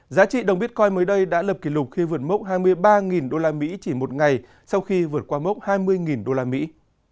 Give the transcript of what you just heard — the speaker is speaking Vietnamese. giá trị đồng bitcoin mới đây đã lập kỷ lục khi vượt mốc hai mươi ba đô la mỹ chỉ một ngày sau khi vượt qua mốc hai mươi đô la mỹ